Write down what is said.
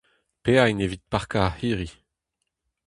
Paeañ evit parkañ ar c'hirri.